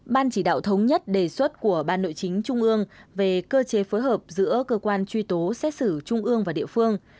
ban chỉ đạo thống nhất đề xuất của ban nội chính trung ương về cơ chế phối hợp giữa cơ quan truy tố xét xử trung ương và địa phương